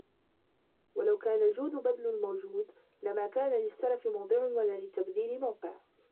وَلَوْ كَانَ الْجُودُ بَذْلُ الْمَوْجُودِ لَمَا كَانَ لِلسَّرَفِ مَوْضِعٌ وَلَا لِلتَّبْذِيرِ مَوْقِعٌ